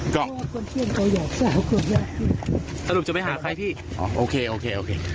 ก็ถูกไม่หาใครที่โอเคโอเค